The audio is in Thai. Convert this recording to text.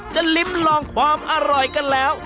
ลิ้มลองความอร่อยกันแล้ว